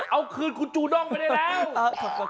เอาคืนคุณจูด้งไปได้แล้ว